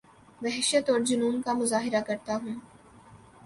وحشت اورجنون کا مظاہرہ کرتا ہوں